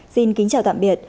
xin kính chào tạm biệt